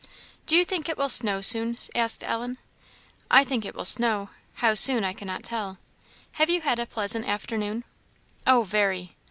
"Do you think it will snow soon?" asked Ellen. "I think it will snow how soon, I cannot tell. Have you had a pleasant afternoon?" "Oh, very!"